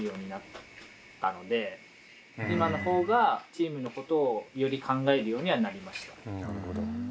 今のほうがチームのことをより考えるようにはなりました。